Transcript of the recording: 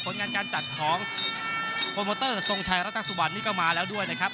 งานการจัดของโปรโมเตอร์ทรงชัยรัตสุวรรณนี่ก็มาแล้วด้วยนะครับ